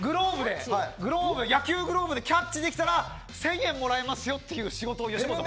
野球グローブでキャッチできたら１０００円もらえますという仕事。